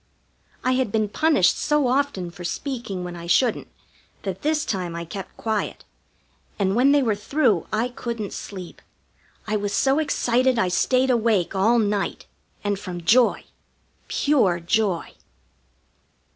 I had been punished so often for speaking when I shouldn't that this time I kept quiet, and when they were through I couldn't sleep. I was so excited I stayed awake all night. And from joy pure joy.